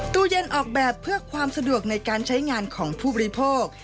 ตู้เย็นออกแบบเพื่อความสะดวกในการใช้งานของผู้บริโภค